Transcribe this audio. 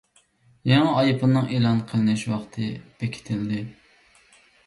يېڭى ئايفوننىڭ ئېلان قىلىنىش ۋاقتى بېكىتىلدى.